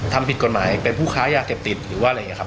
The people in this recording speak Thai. ทำผิดกฎหมายเป็นผู้ค้ายาเสพติดหรือว่าอะไรอย่างนี้ครับ